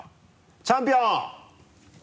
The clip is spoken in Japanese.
チャンピオン！